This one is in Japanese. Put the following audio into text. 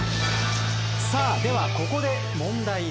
さあではここで問題です。